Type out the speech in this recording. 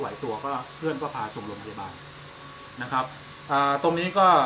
ตัวก็เพื่อนก็พาส่งโรงพยาบาลนะครับอ่าตรงนี้ก็